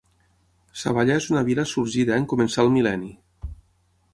Savallà és una vila sorgida en començar el mil·lenni.